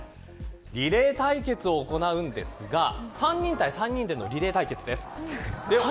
リレー対決を行うんですが３人対３人でのリレー対決です。